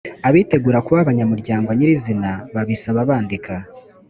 abitegura kuba abanyamuryango nyirizina babisaba bandika